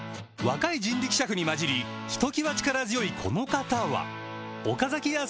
若い人力車夫に交じりひときわ力強いこの方は岡崎屋